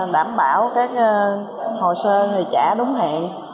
đảm bảo các hồ sơ thì trả đúng hẹn